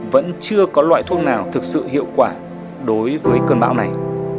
vẫn chưa có loại thuốc nào thực sự hiệu quả đối với cơn bão này